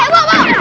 mabuk mabuk mabuk